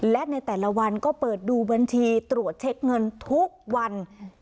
และในแต่ละวันก็เปิดดูบัญชีตรวจเช็คเงินทุกวัน